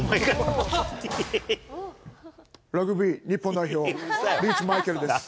ラグビー日本代表、リーチ・マイケルです。